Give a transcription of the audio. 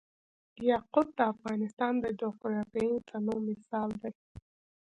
یاقوت د افغانستان د جغرافیوي تنوع مثال دی.